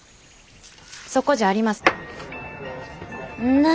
そこじゃありません。